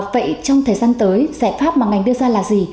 vậy trong thời gian tới giải pháp mà ngành đưa ra là gì